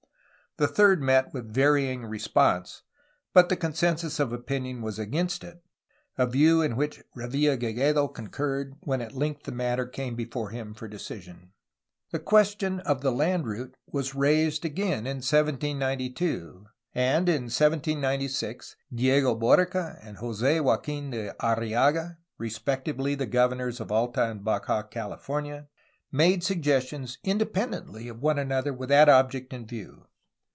The third met with varying response, but the consensus of opinion was against it, a view in which Revilla Gigedo con curred when at length the matter came before him for decision. The question of the land route was raised again in 1792, and in 1796 Diego Borica and Jose Joaquin de Arrillaga, respectively governors of Alta and Baja California, made suggestions independently of one another with that object in view.